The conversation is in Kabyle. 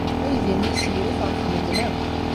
Aydi-nni yesseglaf ɣef medden akk.